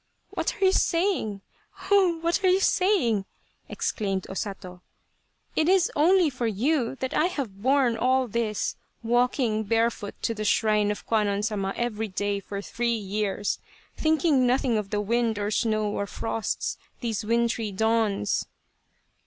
'' What are you saying ? Oh ! what are you say ing ?" exclaimed O Sato. " It is only for you that I have borne all this, walking barefoot to the Shrine 165 Tsubosaka of Kwannon Sama every day for three years, thinking nothing of the wind or snow or frosts these wintry dawns."